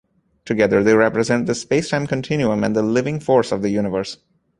Together they represent the space-time continuum and the living force of the universe.